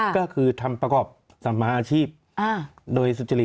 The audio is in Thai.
ก็คือทำประกอบสัมมาอาชีพโดยสุจริต